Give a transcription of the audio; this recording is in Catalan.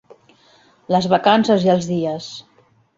Les vacances i els dies.